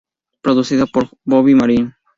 Producida por Bobby Marin.